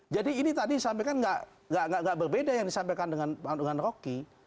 jadi ini tadi disampaikan gak berbeda yang disampaikan dengan rocky